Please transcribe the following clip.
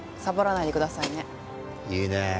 サボらないでくださいね。